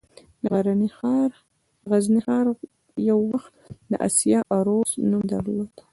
د غزني ښار یو وخت د «د اسیا عروس» نوم درلود